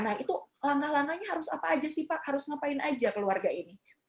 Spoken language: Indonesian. nah itu langkah langkahnya harus apa aja sih pak harus ngapain aja keluarga ini